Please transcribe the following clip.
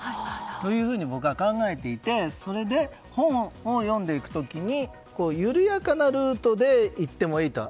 というふうに僕は考えていて本を読んでいく時に緩やかなルートで行ってもいいと。